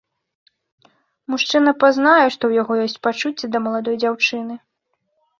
Мужчына пазнае, што ў яго ёсць пачуцці да маладой дзяўчыны.